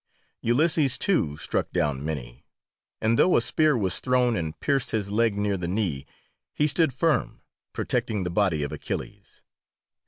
Ulysses, too, struck down many, and though a spear was thrown and pierced his leg near the knee he stood firm, protecting the body of Achilles.